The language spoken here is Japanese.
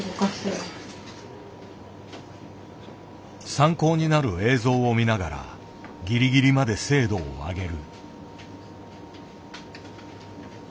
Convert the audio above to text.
参考になる映像を見ながらギリギリまで精度を上げる。